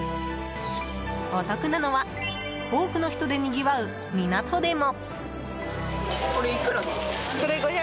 お得なのは多くの人でにぎわう港でも。